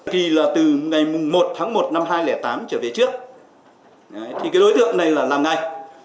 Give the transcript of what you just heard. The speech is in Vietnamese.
thì là từ ngày một tháng một năm hai nghìn tám trở về trước thì cái đối tượng này là làm ngay